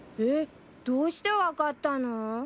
えっどうして分かったの？